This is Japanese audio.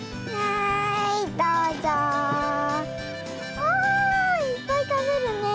おおいっぱいたべるねえ。